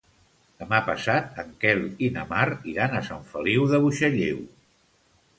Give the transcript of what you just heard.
Demà passat en Quel i na Mar iran a Sant Feliu de Buixalleu.